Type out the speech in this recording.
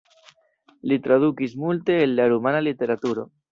Li tradukis multe el la rumana literaturo.